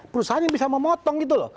perusahaan yang bisa memotong gitu loh